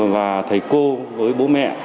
và thầy cô với bố mẹ